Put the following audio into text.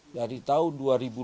dari tahun dua ribu lima